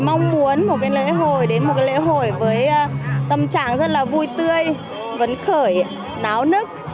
muốn một lễ hội đến một lễ hội với tâm trạng rất là vui tươi vấn khởi náo nức